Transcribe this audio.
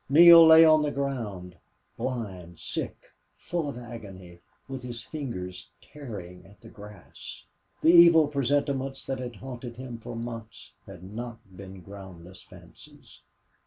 Neale lay on the ground, blind, sick, full of agony, with his fingers tearing at the grass. The evil presentiments that had haunted him for months had not been groundless fancies.